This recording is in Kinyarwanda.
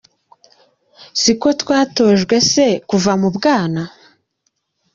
Siko twatojwe se kuva mu bwana ?.